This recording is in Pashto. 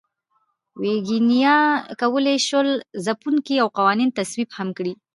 ویګیانو کولای شول ځپونکي او قوانین تصویب هم کړي.